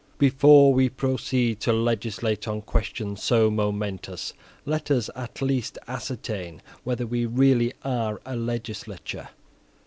"Before we proceed to legislate on questions so momentous, let us at least ascertain whether we really are a legislature.